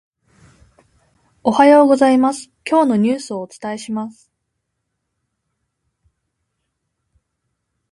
おはようございます、今日のニュースをお伝えします。